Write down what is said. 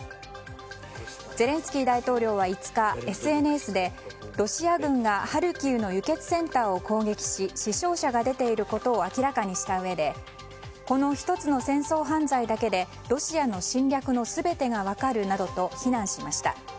ゼレンスキー大統領は５日、ＳＮＳでロシア軍がハルキウの輸血センターを攻撃し死傷者が出ていることを明らかにしたうえでこの１つの戦争犯罪だけでロシアの侵略の全てが分かるなどと非難しました。